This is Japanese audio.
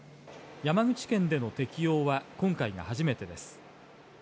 山口県での適用は今回が初めてです。